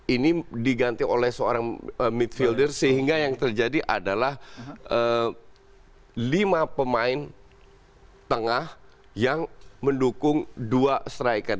ini diganti oleh seorang midfielder sehingga yang terjadi adalah lima pemain tengah yang mendukung dua striker